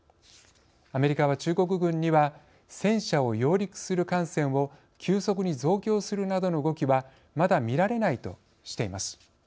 アメリカは、中国軍には戦車を揚陸する艦船を急速に増強するなどの動きはまだ、見られないとしています。